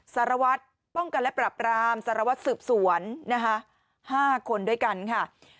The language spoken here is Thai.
สารวัตรป้องกันและปรับรามสารวัตรสืบสวนนะคะ๕คนด้วยกันค่ะ